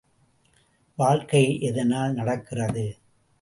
வாழ்க்கை எதனால் நடக்கிறது?